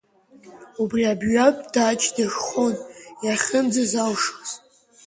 Убри абҩатә даҷ дырххон иахьынӡазалшоз.